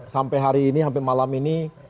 sampai hari ini sampai malam ini